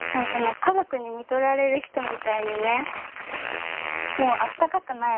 家族にみとられる人みたいにねもうあったかくないの。